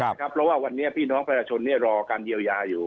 เพราะว่าวันนี้พี่น้องประชาชนรอการเยียวยาอยู่